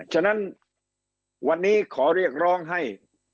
ฉะนั้นวันนี้ขอเรียกร้องให้